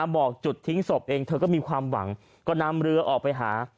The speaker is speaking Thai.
บอกจุดทิ้งศพเองเธอก็มีความหวังก็นำเรือออกไปหา